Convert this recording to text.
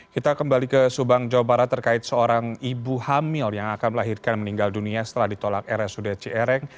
kita kembali ke subang jawa barat terkait seorang ibu hamil yang akan melahirkan meninggal dunia setelah ditolak rsud ciereng